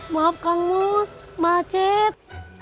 maaf kang mus macet